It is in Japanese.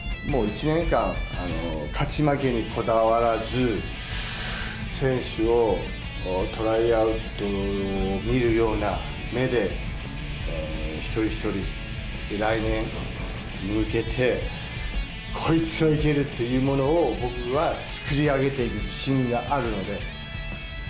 もう１年間、勝ち負けにこだわらず、選手をトライアウトを見るような目で、一人一人、来年に向けて、こいつはいけるっていうものを僕は作り上げていく自信があるので。